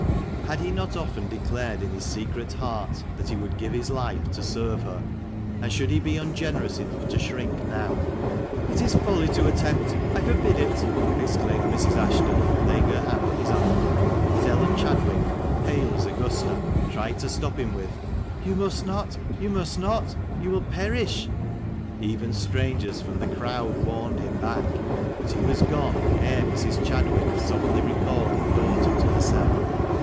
Had he not often declared in his secret heart that he would give his life to serve her ?— and should he be ungenerous enough to shrink now ?" It is folly to attempt. I forbid it !" exclaimed Mrs. Ashton, laying her hand on his arm. And Ellen Chadwick, pale as Augusta, tried to stop him with — "You must not! you must not ! You will perish !" Even strangers from the crowd warned him back. But he was gone ere Mrs. Chadwick softly recalled her daughter to herself.